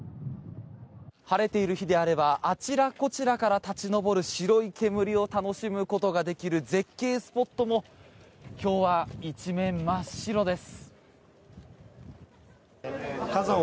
晴れている日であればあちらこちらから立ち上る白い煙を楽しむことができる絶景スポットも今日は一面真っ白です。